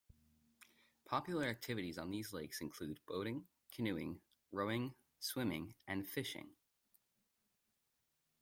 Popular activities on these lakes include boating, canoeing, rowing, swimming, and fishing.